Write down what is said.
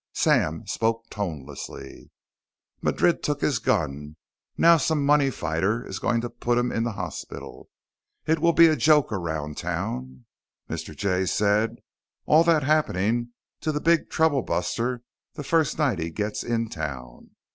Sam spoke tonelessly. "Madrid took his gun; now some money fighter is going to put him in the hospital. It will be a joke around town, Mr. Jay said, all that happening to the big troublebuster the first night he gets in town.